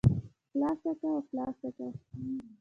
خلاصه که او خلاصه که.